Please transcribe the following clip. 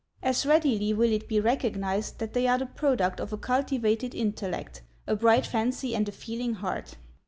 As readily will it be recognized that they are the product of a cultivated intellect, a bright fancy, and a feeling heart.